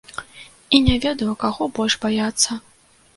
І не ведаю, каго больш баяцца.